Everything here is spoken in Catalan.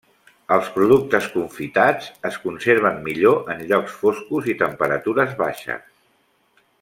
Els productes confitats es conserven millor en llocs foscos i temperatures baixes.